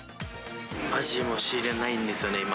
アジはもう仕入れないんですよね、今。